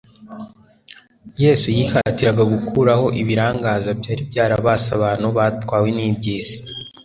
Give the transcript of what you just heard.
Yesu yihatiraga gukuraho ibirangaza byari byarabase abantu batwawe n'iby'isi.